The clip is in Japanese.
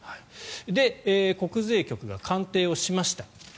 で、国税局が鑑定しました。